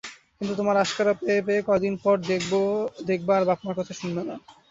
কিন্তু তোমার আস্কারা পেয়ে পেয়ে কয়দিন পর দেখবা আর বাপ-মার কথা শুনবেনা।